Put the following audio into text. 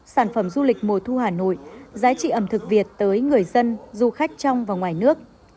sản phẩm du lịch mùa thu hà nội giá trị ẩm thực việt tới người dân du khách trong và ngoài nước